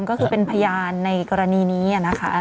ก็คือเป็นพยานในกรณีนี้นะคะ